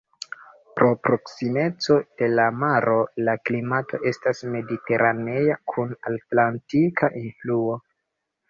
Pro proksimeco de la maro, la klimato estas mediteranea kun atlantika influo.